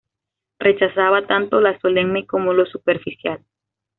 Rechazaba tanto lo solemne como lo superficial.